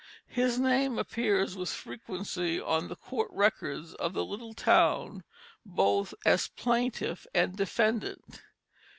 His name appears with frequency on the court records of the little town both as plaintiff and defendant.